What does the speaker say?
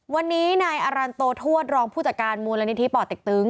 วันนี้นายอาราณโตทวดรองผู้จัดการมูลละนิทีปอดติ๊กตึง